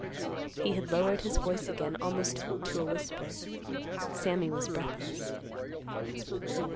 He had lowered his voice again almost to a whisper. Sammy was breathless.